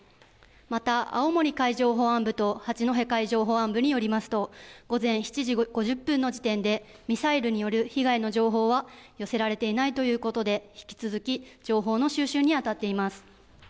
また、青森海上保安部と八戸海上保安部によりますと、午前７時５０分の時点で、ミサイルによる被害の情報は寄せられていないということで、引き続き情報の収集に当たっています。